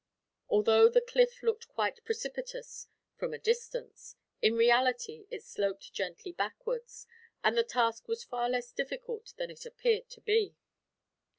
Although the cliff looked quite precipitous, from a distance; in reality it sloped gently backwards, and the task was far less difficult than it appeared to be.